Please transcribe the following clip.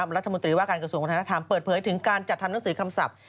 รัฐมนตรีว่าการกระทรวงวัฒนธรรมเปิดเผยถึงการจัดทำหนังสือคำศัพท์